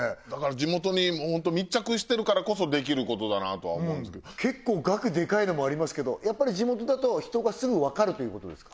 地元に密着してるからこそできることだなとは思うんですけど結構額デカいのもありますけどやっぱり地元だと人がすぐ分かるということですか？